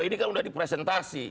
ini kan sudah di presentasi